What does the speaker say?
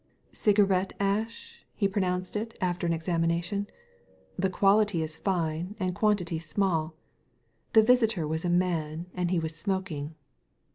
"Cigarette ash?" he pronounced it after an examination, "the quality is fine and quantity small The visitor was a man and he was smoking.